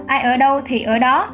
ai ở đâu thì ở đó